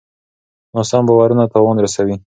ناسم باورونه تاوان رسوي.